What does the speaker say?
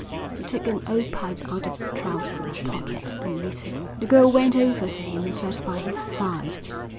He took an old pipe out of his trouser pocket and lit it. The girl went over to him and sat by his side.